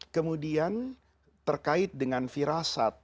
kemudian terkait dengan firasat